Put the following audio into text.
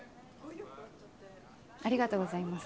ありがとうございます。